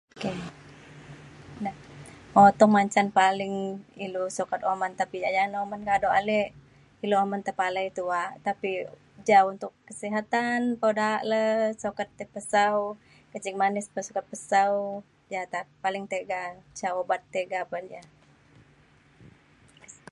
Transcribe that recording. um tau majan paling sukat ilu kuman tapi ja jana uman kado ale ilu uman tepalai tuak tapi ja untuk kesihatan kuda le sukat tai pesau kencing manis pa sukat pesau ja ta paling tiga sau ubat tiga pa ja